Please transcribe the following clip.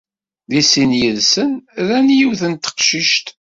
Deg sin yid-sen ran yiwet n teqcict.